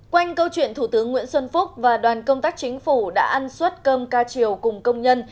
trong câu chuyện thủ tướng nguyễn xuân phúc và đoàn công tác chính phủ đã ăn xuất cơm ca triều cùng công nhân